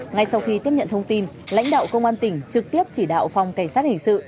ngay sau khi tiếp nhận thông tin lãnh đạo công an tỉnh trực tiếp chỉ đạo phòng cảnh sát hình sự